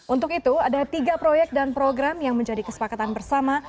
untuk itu ada tiga proyek dan program yang menjadi kesepakatan bersama